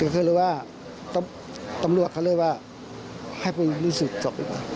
ก็เลยว่าตำรวจเขาเลยว่าให้ผมรู้สึกจบดีกว่า